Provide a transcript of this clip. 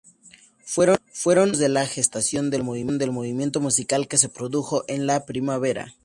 Fueron momentos de la gestación del movimiento musical que se produjo en la primavera.